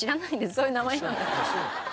そういう名前なんで。